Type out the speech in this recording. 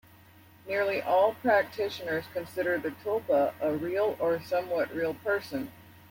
Nearly all practitioners consider the tulpa a real or somewhat-real person.